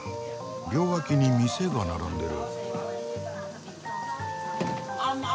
両脇に店が並んでる。